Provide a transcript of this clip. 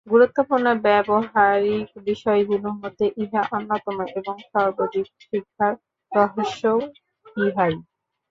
গুরুত্বপূর্ণ ব্যাবহারিক বিষয়গুলির মধ্যে ইহা অন্যতম, এবং সর্ববিধ শিক্ষার রহস্যও ইহাই।